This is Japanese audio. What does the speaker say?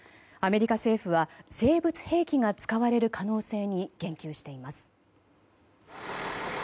アメリカ政府は生物兵器が使われる可能性に言及しています。